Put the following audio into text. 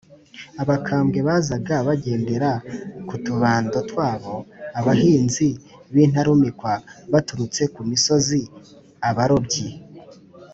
abakambwe bazaga bagendera ku tubando twabo, abahinzi b’intarumikwa baturutse ku misozi, abarobyi